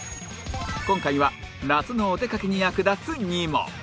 今回は夏のお出かけに役立つ２問